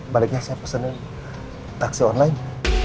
baliknya saya pesenin taksi online